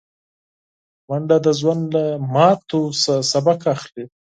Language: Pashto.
منډه د ژوند له ماتو نه سبق اخلي